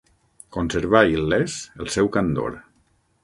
Conservà il·lès el seu candor.